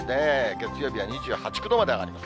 月曜日は２８、９度まで上がります。